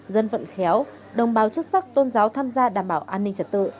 dân vận khéo đồng bào chức sắc tôn giáo tham gia đảm bảo an ninh trật tự